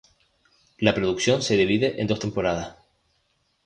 La producción se divide en dos temporadas.